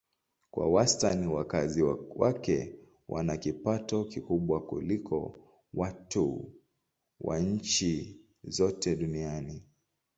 Kwa wastani wakazi wake wana kipato kikubwa kuliko watu wa nchi zote duniani.